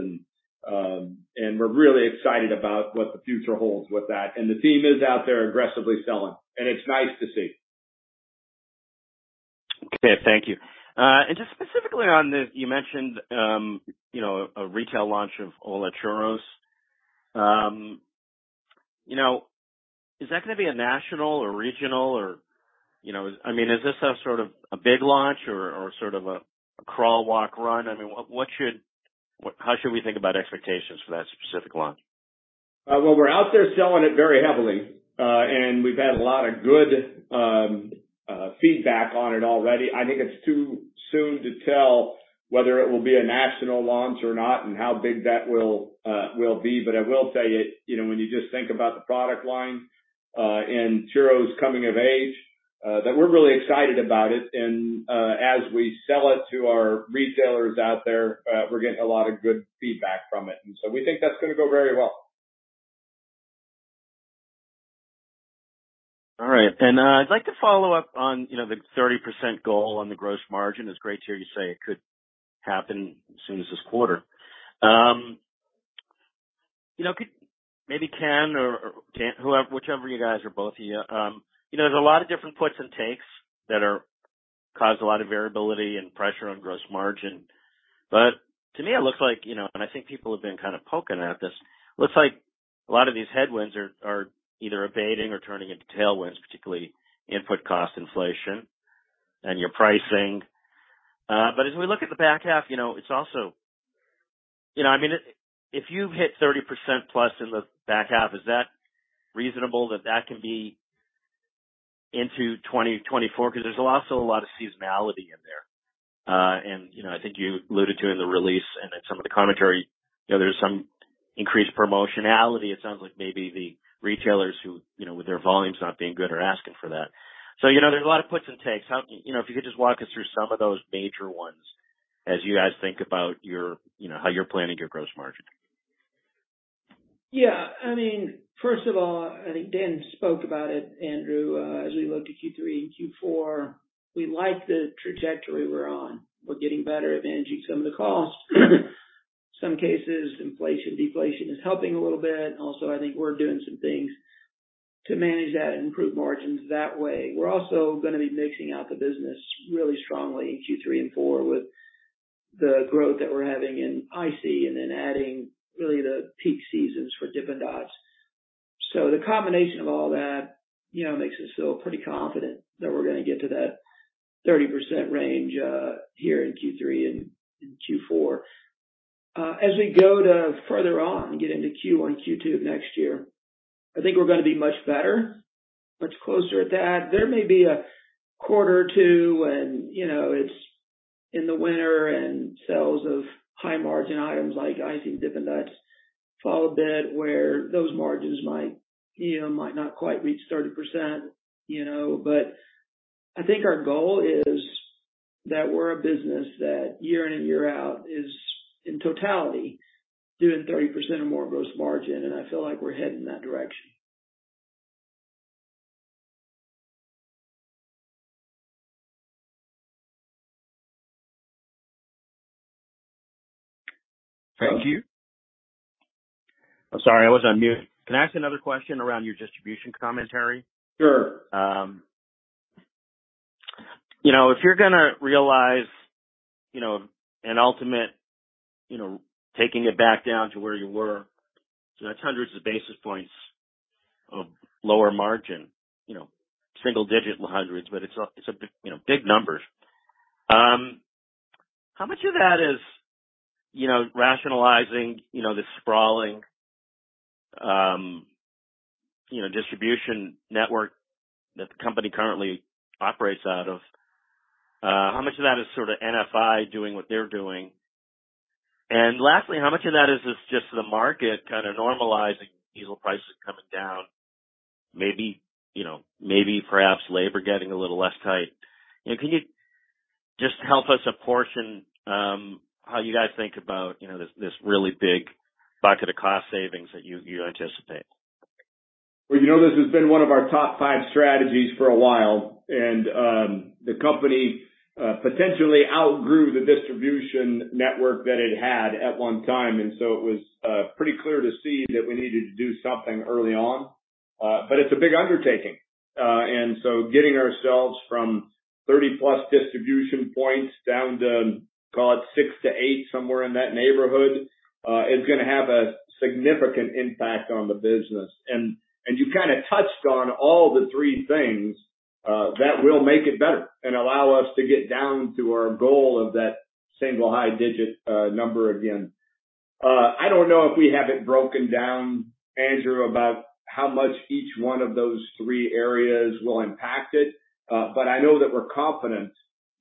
and, we're really excited about what the future holds with that. The team is out there aggressively selling, and it's nice to see. Okay. Thank you. Just specifically, you mentioned, you know, a retail launch of ¡Hola! Churros. You know, is that gonna be a national or regional or, you know... I mean, is this a sort of a big launch or sort of a crawl, walk, run? I mean, what how should we think about expectations for that specific launch? Well, we're out there selling it very heavily. We've had a lot of good feedback on it already. I think it's too soon to tell whether it will be a national launch or not, and how big that will be. I will tell you know, when you just think about the product line, and churros coming of age, that we're really excited about it. As we sell it to our retailers out there, we're getting a lot of good feedback from it. We think that's gonna go very well. All right. I'd like to follow up on, you know, the 30% goal on the gross margin. It's great to hear you say it could happen as soon as this quarter. You know, maybe Ken or Dan, whoever, whichever you guys or both of you. You know, there's a lot of different puts and takes that cause a lot of variability and pressure on gross margin. To me it looks like, you know, and I think people have been kind of poking at this. Looks like a lot of these headwinds are either abating or turning into tailwinds, particularly input cost inflation and your pricing. As we look at the back half, you know, I mean, if you hit 30%+ in the back half, is that reasonable that that can be into 2024? There's also a lot of seasonality in there. You know, I think you alluded to in the release and in some of the commentary, you know, there's some increased promotionality. It sounds like maybe the retailers who, you know, with their volumes not being good are asking for that. You know, there's a lot of puts and takes. You know, if you could just walk us through some of those major ones as you guys think about your, you know, how you're planning your gross margin. Yeah. I mean, first of all, I think Dan spoke about it, Andrew, as we look to Q3 and Q4, we like the trajectory we're on. We're getting better at managing some of the costs. Some cases, inflation/deflation is helping a little bit. Also, I think we're doing some things to manage that and improve margins that way. We're also gonna be mixing out the business really strongly in Q3 and Q4 with the growth that we're having in ICEE and then adding really the peak seasons for Dippin' Dots. The combination of all that, you know, makes us feel pretty confident that we're gonna get to that 30% range here in Q3 and in Q4. As we go to further on and get into Q1, Q2 of next year, I think we're gonna be much better, much closer to that. There may be a quarter or two when, you know, it's in the winter and sales of high margin items like ICEE and Dippin' Dots fall a bit where those margins might, you know, might not quite reach 30%, you know. I think our goal is that we're a business that year in and year out is, in totality, doing 30% or more of gross margin, and I feel like we're heading in that direction. Thank you. I'm sorry, I was on mute. Can I ask another question around your distribution commentary? Sure. You know, if you're going to realize, you know, an ultimate, you know, taking it back down to where you were, so that's hundreds of basis points of lower margin, you know, single-digit hundreds, but it's a, it's a, you know, big numbers. How much of that is, you know, rationalizing, you know, the sprawling, you know, distribution network that the company currently operates out of? How much of that is sort of NFI doing what they're doing? Lastly, how much of that is just the market kind of normalizing diesel prices coming down, maybe, you know, perhaps labor getting a little less tight? You know, can you just help us apportion, how you guys think about, you know, this really big bucket of cost savings that you anticipate? Well, you know, this has been one of our top five strategies for a while, the company potentially outgrew the distribution network that it had at one time. It was pretty clear to see that we needed to do something early on. It's a big undertaking. Getting ourselves from 30+ distribution points down to, call it six to eight, somewhere in that neighborhood, is gonna have a significant impact on the business. You kinda touched on all the three things that will make it better and allow us to get down to our goal of that single high digit number again. I don't know if we have it broken down, Andrew, about how much each one of those three areas will impact it. I know that we're confident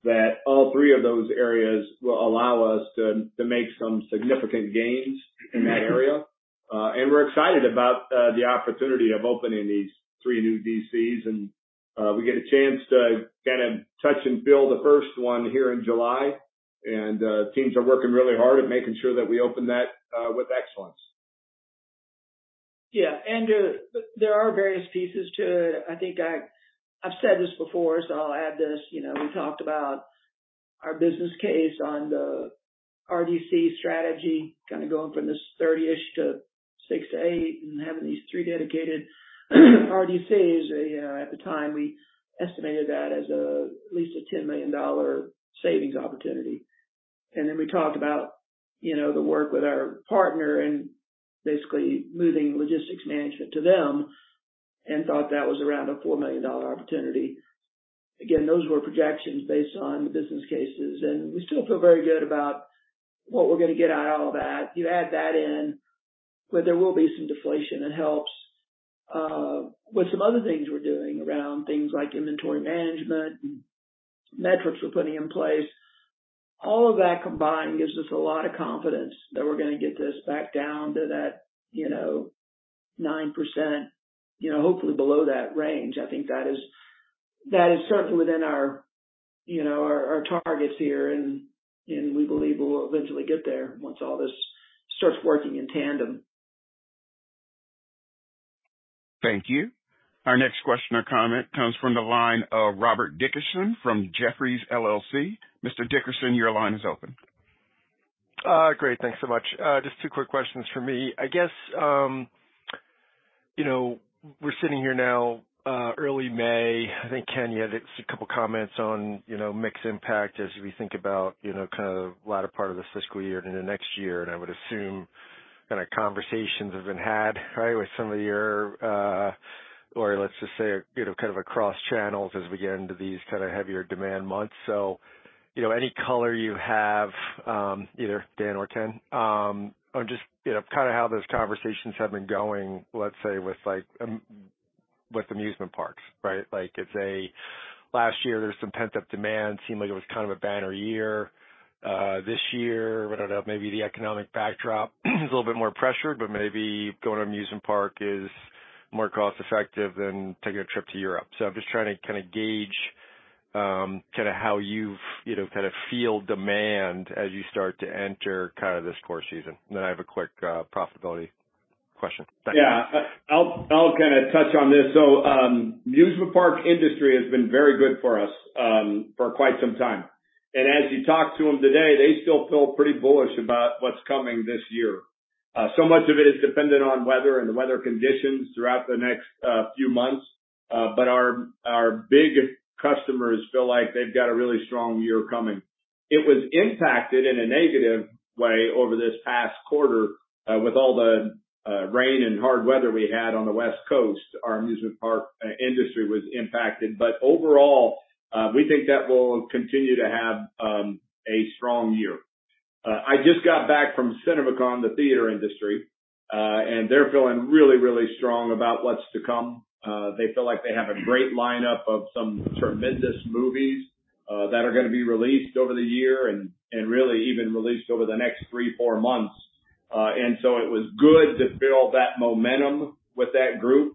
that all three of those areas will allow us to make some significant gains in that area. We're excited about the opportunity of opening these three new DCs. We get a chance to kind of touch and feel the first one here in July. Teams are working really hard at making sure that we open that with excellence. Yeah. There are various pieces to it. I think I've said this before, I'll add this. You know, we talked about our business case on the RDC strategy kind of going from this 30-ish to six to eight and having these three dedicated RDCs. You know, at the time, we estimated that as at least a $10 million savings opportunity. We talked about, you know, the work with our partner and basically moving logistics management to them and thought that was around a $4 million opportunity. Again, those were projections based on business cases, we still feel very good about what we're gonna get out of all that. You add that in, there will be some deflation. It helps with some other things we're doing around things like inventory management and metrics we're putting in place. All of that combined gives us a lot of confidence that we're gonna get this back down to that, you know, 9%, you know, hopefully below that range. I think that is, that is certainly within our, you know, our targets here, and we believe we'll eventually get there once all this starts working in tandem. Thank you. Our next question or comment comes from the line of Robert Dickerson from Jefferies LLC. Mr. Dickerson, your line is open. Great. Thanks so much. Just two quick questions from me. I guess, you know, we're sitting here now, early May. I think Ken, you had a couple comments on, you know, mixed impact as we think about, you know, kind of the latter part of this fiscal year into next year. I would assume kind of conversations have been had, right, with some of your, or let's just say, you know, kind of across channels as we get into these kind of heavier demand months. You know, any color you have, either Dan or Ken, on just, you know, kind of how those conversations have been going, let's say, with like, with amusement parks, right? Last year there was some pent-up demand. Seemed like it was kind of a banner year. This year, I don't know, maybe the economic backdrop is a little bit more pressured, but maybe going to amusement park is more cost effective than taking a trip to Europe. I'm just trying to kind of gauge, kind of how you've, you know, kind of feel demand as you start to enter kind of this core season. I have a quick, profitability question. Thanks. I'll kind of touch on this. Amusement park industry has been very good for us, for quite some time. As you talk to them today, they still feel pretty bullish about what's coming this year. So much of it is dependent on weather and the weather conditions throughout the next few months. Our big customers feel like they've got a really strong year coming. It was impacted in a negative way over this past quarter, with all the rain and hard weather we had on the West Coast. Our amusement park industry was impacted. Overall, we think that we'll continue to have a strong year. I just got back from CinemaCon, the theater industry, and they're feeling really, really strong about what's to come. They feel like they have a great lineup of some tremendous movies that are gonna be released over the year and really even released over the next three, four months. It was good to feel that momentum with that group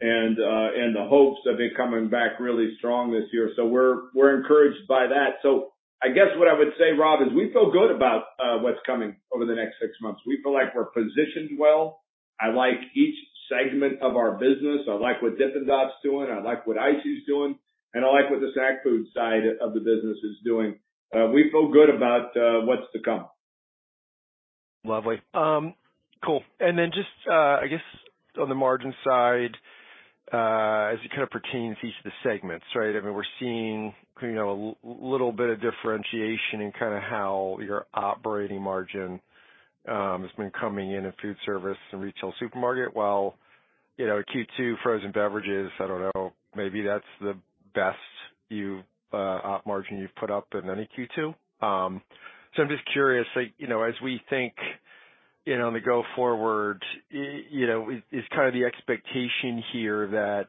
and the hopes of it coming back really strong this year. We're encouraged by that. I guess what I would say, Rob, is we feel good about what's coming over the next 6 months. We feel like we're positioned well. I like each segment of our business. I like what Dippin' Dots is doing, I like what ICEE is doing, and I like what the snack food side of the business is doing. We feel good about what's to come. Lovely. Cool. Just, I guess on the margin side, as it kind of pertains to each of the segments, right? I mean, we're seeing, you know, a little bit of differentiation in kind of how your operating margin has been coming in at food service and retail supermarket. While, you know, Q2 frozen beverages, I don't know, maybe that's the best you've op margin you've put up in any Q2. I'm just curious, like, you know, as we think, you know, on the go forward, you know, is kind of the expectation here that,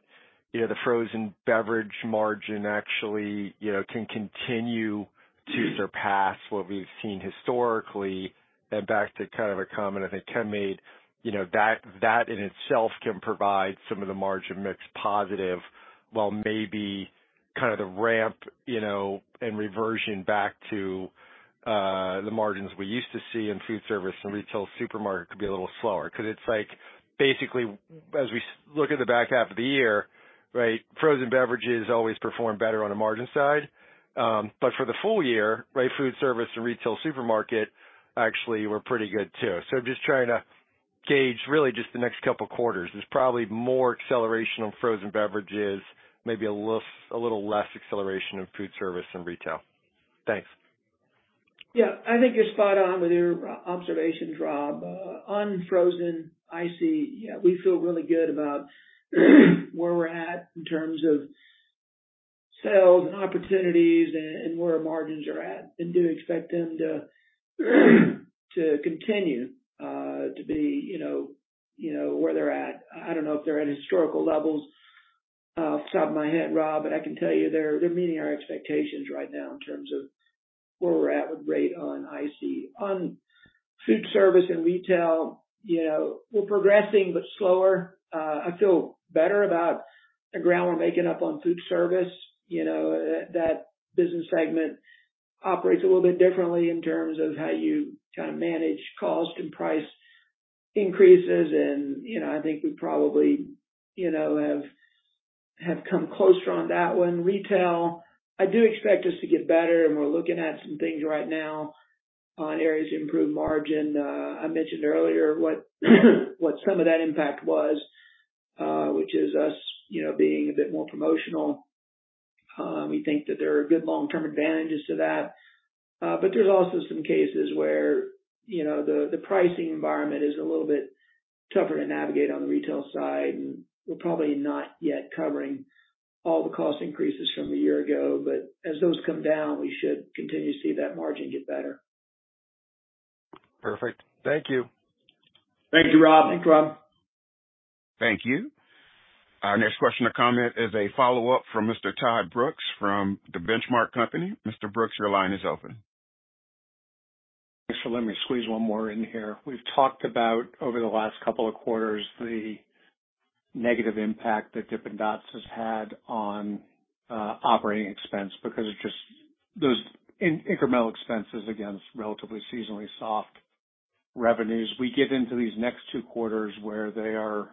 you know, the frozen beverage margin actually, you know, can continue to surpass what we've seen historically? Back to kind of a comment I think Ken made, you know, that in itself can provide some of the margin mix positive, while maybe kind of the ramp, you know, and reversion back to the margins we used to see in food service and retail supermarket could be a little slower. It's like basically as we look at the back half of the year, right, frozen beverages always perform better on a margin side. For the full year, right, food service and retail supermarket actually were pretty good too. Just trying to gauge really just the next couple quarters. There's probably more acceleration on frozen beverages, maybe a little less acceleration of food service and retail. Thanks. Yeah. I think you're spot on with your observations, Rob. On frozen ICEE, yeah, we feel really good about where we're at in terms of sales and opportunities and where our margins are at, and do expect them to continue to be, you know, where they're at. I don't know if they're at historical levels. Off the top of my head, Rob, but I can tell you they're meeting our expectations right now in terms of where we're at with rate on ICEE. On food service and retail, you know, we're progressing but slower. I feel better about the ground we're making up on food service. You know, that business segment operates a little bit differently in terms of how you kind of manage cost and price increases. You know, I think we probably, you know, have come closer on that one. Retail, I do expect us to get better, and we're looking at some things right now on areas to improve margin. I mentioned earlier what some of that impact was, which is us, you know, being a bit more promotional. We think that there are good long-term advantages to that. There's also some cases where, you know, the pricing environment is a little bit tougher to navigate on the retail side, and we're probably not yet covering all the cost increases from a year ago. As those come down, we should continue to see that margin get better. Perfect. Thank you. Thank you, Rob. Thank you, Rob. Thank you. Our next question or comment is a follow-up from Mr. Todd Brooks from The Benchmark Company. Mr. Brooks, your line is open. Thanks. Let me squeeze one more in here. We've talked about over the last couple of quarters, the negative impact that Dippin' Dots has had on operating expense because it's just those in-incremental expenses against relatively seasonally soft revenues. We get into these next two quarters where they are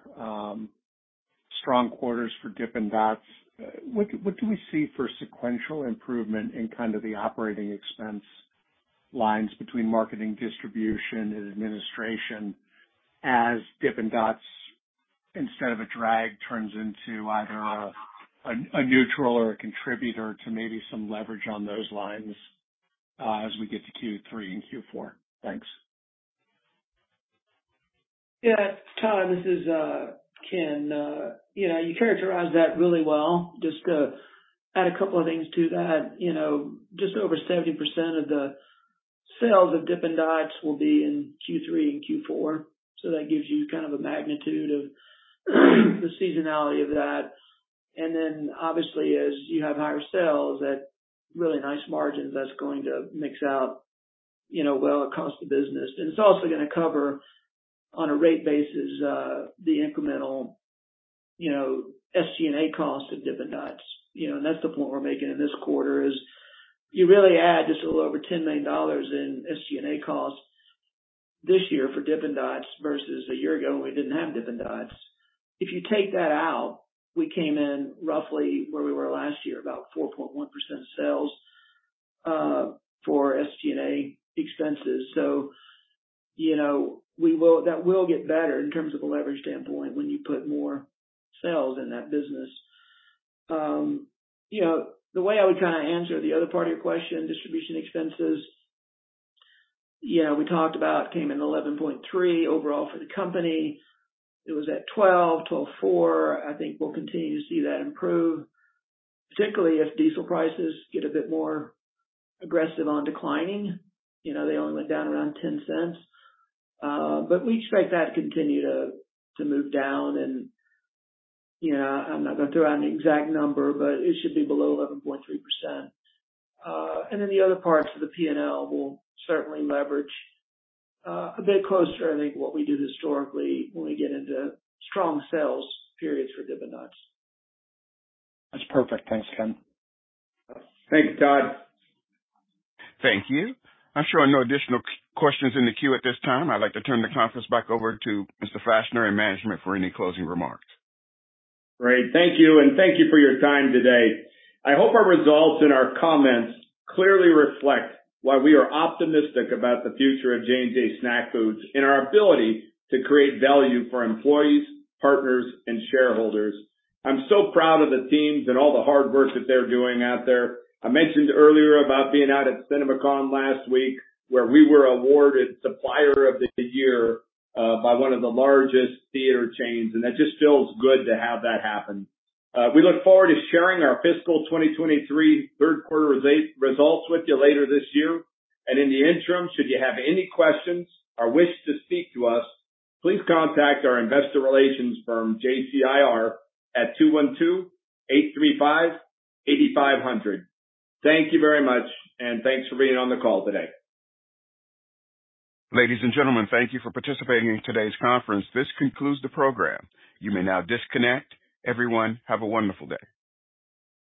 strong quarters for Dippin' Dots. What do we see for sequential improvement in kind of the operating expense lines between marketing, distribution, and administration as Dippin' Dots, instead of a drag, turns into either a neutral or a contributor to maybe some leverage on those lines as we get to Q3 and Q4? Thanks. Todd, this is Ken. You know, you characterize that really well. Just to add a couple of things to that. You know, just over 70% of the sales of Dippin' Dots will be in Q3 and Q4, that gives you kind of a magnitude of the seasonality of that. Obviously as you have higher sales at really nice margins, that's going to mix out, you know, well across the business. It's also gonna cover on a rate basis, the incremental, you know, SG&A cost of Dippin' Dots. You know, that's the point we're making in this quarter is you really add just a little over $10 million in SG&A costs this year for Dippin' Dots versus a year ago when we didn't have Dippin' Dots. If you take that out, we came in roughly where we were last year, about 4.1% sales for SG&A expenses. You know, that will get better in terms of a leverage standpoint when you put more sales in that business. You know, the way I would kinda answer the other part of your question, distribution expenses, you know, we talked about came in 11.3% overall for the company. It was at 12%, 12.4%. I think we'll continue to see that improve, particularly if diesel prices get a bit more aggressive on declining. You know, they only went down around $0.10. We expect that to continue to move down and, you know, I'm not gonna throw out an exact number, but it should be below 11.3%. The other parts of the PNL will certainly leverage, a bit closer, I think, what we do historically when we get into strong sales periods for Dippin' Dots. That's perfect. Thanks, Ken. Thanks, Todd. Thank you. I'm showing no additional questions in the queue at this time. I'd like to turn the conference back over to Mr. Fachner and management for any closing remarks. Great. Thank you, and thank you for your time today. I hope our results and our comments clearly reflect why we are optimistic about the future of J&J Snack Foods and our ability to create value for employees, partners, and shareholders. I'm so proud of the teams and all the hard work that they're doing out there. I mentioned earlier about being out at CinemaCon last week, where we were awarded Supplier of the Year by one of the largest theater chains, and that just feels good to have that happen. We look forward to sharing our fiscal 2023 third quarter results with you later this year. In the interim, should you have any questions or wish to speak to us, please contact our investor relations firm, JCIR, at 212-835-8500. Thank you very much, and thanks for being on the call today. Ladies and gentlemen, thank you for participating in today's conference. This concludes the program. You may now disconnect. Everyone, have a wonderful day.